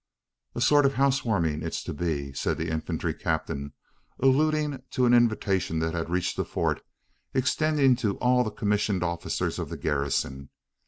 "A sort of housewarming it's to be," said the infantry captain, alluding to an invitation that had reached the Fort, extending to all the commissioned officers of the garrison.